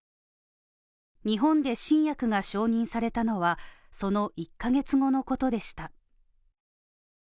日本で新薬が承認されたのはその１カ月後のことでした。